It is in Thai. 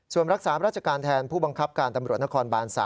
ส่วนรักษาราชการแทนผู้บังคับการตำรวจนครบาน๓